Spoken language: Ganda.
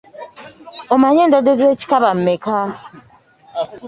Omanyi endwadde ez'ekikaba mmeka?